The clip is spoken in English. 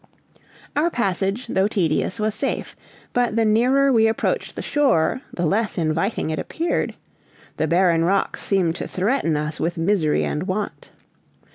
Our passage, though tedious, was safe; but the nearer we approached the shore the less inviting it appeared; the barren rocks seemed to threaten us with misery and want.